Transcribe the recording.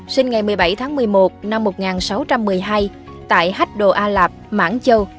sinh ngày một mươi bảy tháng một mươi một năm một nghìn sáu trăm một mươi hai tại hách đồ a lạp mãng châu